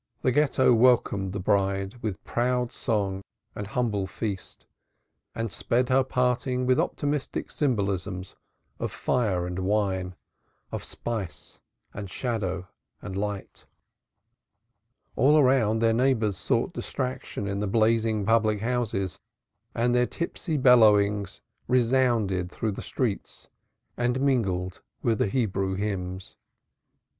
The Ghetto welcomed the Bride with proud song and humble feast, and sped her parting with optimistic symbolisms of fire and wine, of spice and light and shadow. All around their neighbors sought distraction in the blazing public houses, and their tipsy bellowings resounded through the streets and mingled with the Hebrew hymns.